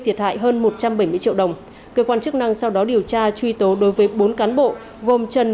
thiệt hại hơn một trăm bảy mươi triệu đồng cơ quan chức năng sau đó điều tra truy tố đối với bốn cán bộ gồm trần